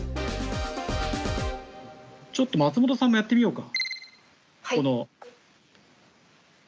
ちょっと松本さんがやってみようか。